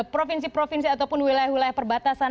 provinsi provinsi ataupun wilayah wilayah perbatasan